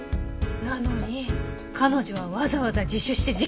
なのに彼女はわざわざ自首して事件にした。